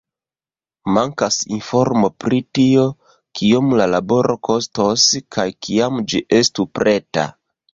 Mankas informo pri tio, kiom la laboro kostos kaj kiam ĝi estu preta.